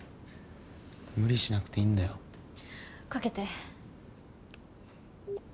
無理しなくていいんだよ。かけて。